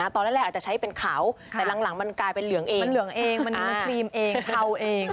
ตอนแรกอาจจะใช้เป็นเขาแต่หลังมันกลายเป็นเหลืองเองมันเหลืองเองมันมีครีมเองเทาเอง